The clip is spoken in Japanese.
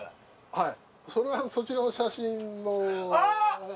はい。